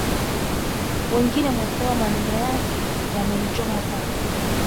Wengine wanasema maneno yake yamenichoma sana…